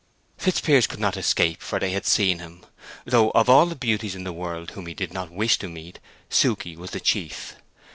Fitzpiers could not escape, for they had seen him; though of all the beauties of the world whom he did not wish to meet Suke was the chief.